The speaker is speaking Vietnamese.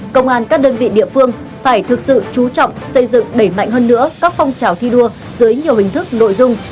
công an các đơn vị địa phương phải thực sự trú trọng xây dựng đẩy mạnh hơn nữa các phong trào thi đua dưới nhiều hình thức nội dung